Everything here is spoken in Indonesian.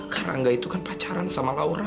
karangga itu kan pacaran sama laura